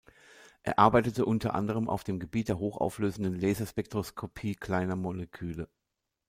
Er arbeitete unter anderem auf dem Gebiet der hochauflösenden Laserspektroskopie kleiner Moleküle.